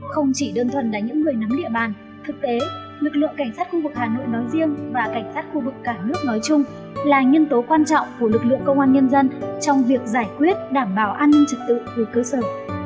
không chỉ đơn thuần là những người nắm địa bàn thực tế lực lượng cảnh sát khu vực hà nội nói riêng và cảnh sát khu vực cả nước nói chung là nhân tố quan trọng của lực lượng công an nhân dân trong việc giải quyết đảm bảo an ninh trật tự từ cơ sở